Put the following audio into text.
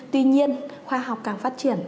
tuy nhiên khoa học càng phát triển